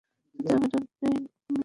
তাতে আবেদন নেই, নিবেদন আছে।